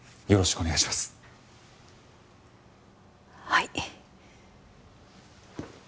はい。